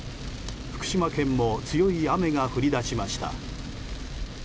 福島県も強い雨が降りだしました。